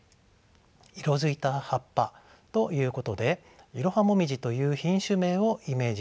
色づいた葉っぱということでイロハモミジという品種名をイメージしたものでしょう。